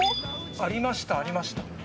ありましたありました。